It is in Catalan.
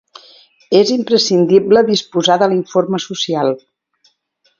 És imprescindible disposar de l'informe social.